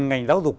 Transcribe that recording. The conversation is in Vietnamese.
ngành giáo dục